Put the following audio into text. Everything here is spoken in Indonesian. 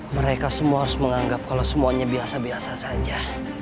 mereka semua harus menganggap kalau semuanya biasa biasa saja